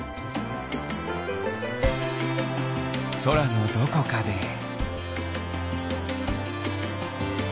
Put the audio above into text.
そらのどこかで。